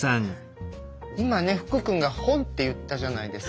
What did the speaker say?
今ね福君が本って言ったじゃないですか。